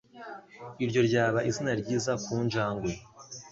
Iryo ryaba izina ryiza ku njangwe.